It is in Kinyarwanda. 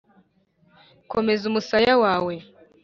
komeza umusaya wawe